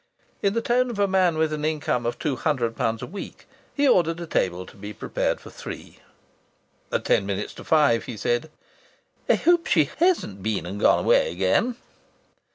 In the tone of a man with an income of two hundred pounds a week he ordered a table to be prepared for three. At ten minutes to five he said: "I hope she hasn't been and gone away again!"